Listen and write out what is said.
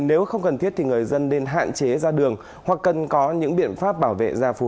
nếu không cần thiết thì người dân nên hạn chế ra đường hoặc cần có những biện pháp bảo vệ ra phù